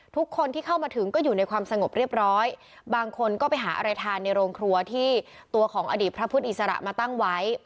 ทุกคนที่เข้ามาถึงก็อยู่ในความสงบเรียบร้อยบางคนก็ไปหาอะไรทานในโรงครัวที่ตัวของอดีตพระพุทธอิสระมาตั้งไว้